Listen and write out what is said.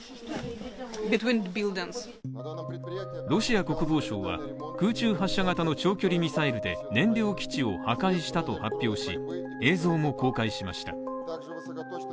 ロシア国防省は空中発射型の長距離ミサイルで燃料基地を破壊したと発表し、映像も公開しました。